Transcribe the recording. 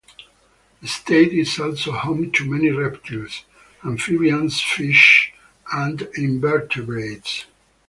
The state is also home to many reptiles, amphibians, fish and invertebrates.